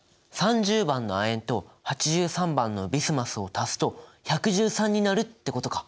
３０番の亜鉛と８３番のビスマスを足すと１１３になるってことか。